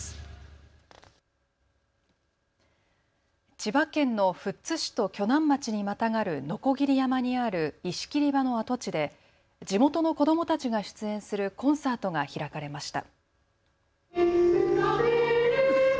千葉県の富津市と鋸南町にまたがる鋸山にある石切り場の跡地で地元の子どもたちが出演するコンサートが開かれました。